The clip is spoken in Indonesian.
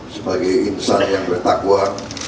sebagai insan yang bertakwa